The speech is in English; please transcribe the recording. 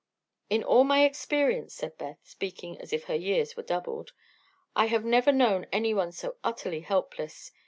"In all my experience," said Beth, speaking as if her years were doubled, "I have never known anyone so utterly helpless.